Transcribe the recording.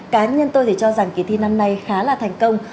cá nhân tôi thì cho rằng kỳ thi năm nay khá là thành công